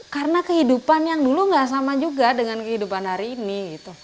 karena kehidupan yang dulu gak sama juga dengan kehidupan hari ini